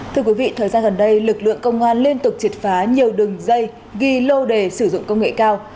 thưa quý vị thời gian gần đây lực lượng công an liên tục triệt phá nhiều đường dây ghi lô đề sử dụng công nghệ cao